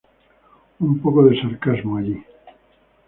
Un poco de sarcasmo allí.